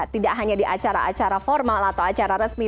tidak hanya di acara acara formal atau acara resmi